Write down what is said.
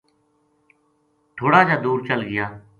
تھوڑا جا دُور چل گیا